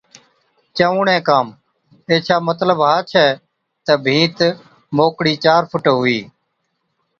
چَئُوڻَي ڪام، ايڇا مطلب ها ڇَي تہ ڀِيت موڪڙِي چار فُٽ هُوَي۔